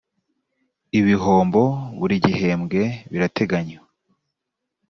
ibihombo buri gihembwe birateganywa